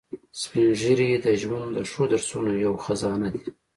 سپین ږیری د ژوند د ښو درسونو یو خزانه دي